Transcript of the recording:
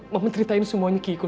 mama ceritain semuanya niko